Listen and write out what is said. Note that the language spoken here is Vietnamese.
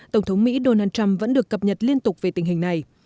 tổng thống mỹ donald trump vẫn được cập nhật liên tục về tình hình này